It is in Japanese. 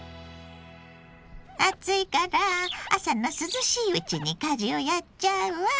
暑いから朝の涼しいうちに家事をやっちゃうわ。